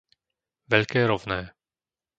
Veľké Rovné